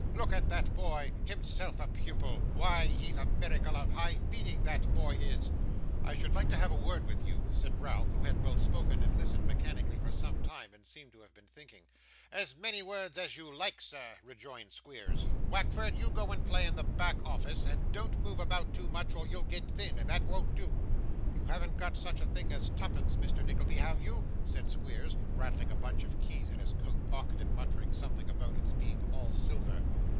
Look at that boy himself a pupil. Why he's a miracle of high feeding, that boy is!' 'I should like to have a word with you,' said Ralph, who had both spoken and listened mechanically for some time, and seemed to have been thinking. 'As many words as you like, sir,' rejoined Squeers. 'Wackford, you go and play in the back office, and don't move about too much or you'll get thin, and that won't do. You haven't got such a thing as twopence, Mr Nickleby, have you?' said Squeers, rattling a bunch of keys in his coat pocket, and muttering something about its being all silver.